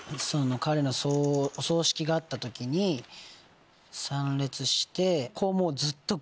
彼のお葬式があった時に参列して。